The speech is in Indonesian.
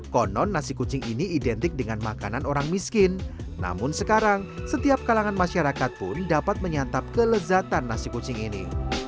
konon nasi kucing ini identik dengan makanan orang miskin namun sekarang setiap kalangan masyarakat pun dapat menyantap kelezatan nasi kucing ini